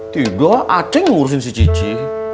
tidak a ceng ngurusin si cicih